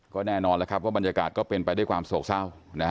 ก็แน่นอนแล้วครับว่าบรรยากาศก็เป็นไปด้วยความโศกเศร้า